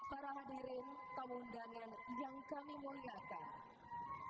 para hadirin tamu undangan yang kami muliakan